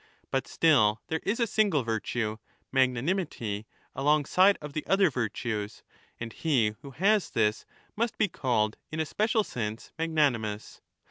^ But still there is a single virtue, magnanimity, alongside of 25 the other virtues, and he who has this must be called in a special sense magnanimous.